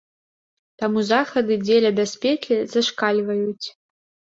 Таму захады дзеля бяспекі зашкальваюць.